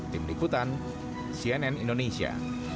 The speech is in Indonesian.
tim liputan cnn indonesia